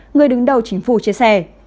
người đứng đầu chính phủ chia sẻ